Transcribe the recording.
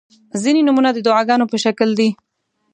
• ځینې نومونه د دعاګانو په شکل دي.